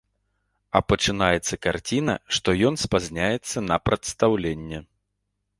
А пачынаецца карціна, што ён спазняецца на прадстаўленне.